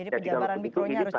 jadi penjabaran mikro harus jelas